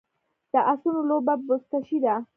د اسونو لوبه بزکشي ده